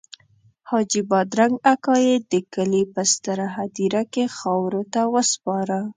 حاجي بادرنګ اکا یې د کلي په ستره هدیره کې خاورو ته وسپاره.